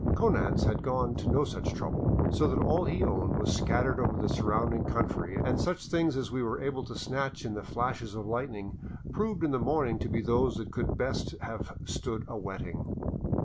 Konanz had gone to no such trouble, so that all he owned was scattered over the surrounding country, and such things as we were able to snatch in the flashes of lightning proved in the morning to be those that could best have stood a wetting.